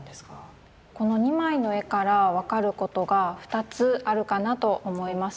この２枚の絵から分かることが２つあるかなと思います。